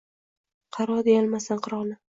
Qaro deyolmasam qaroni